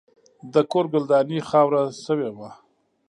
د کور ګلداني خاوره شوې وه.